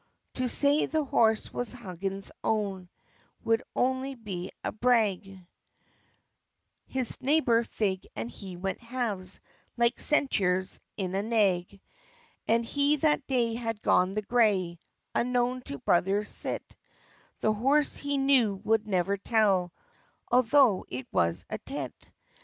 To say the horse was Huggins' own, Would only be a brag; His neighbor Fig and he went halves, Like Centaurs, in a nag. And he that day had got the gray, Unknown to brother cit; The horse he knew would never tell, Altho' it was a tit.